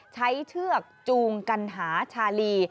เชือกจูงกันหาชาลี